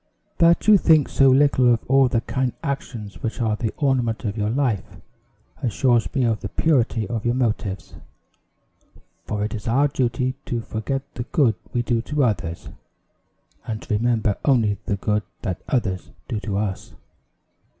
"That you think so little of all the kind actions which are the ornament of your life, assures me of the purity of your motives; for it is our duty to forget the good we do to others, and to remember only the good that others do to us.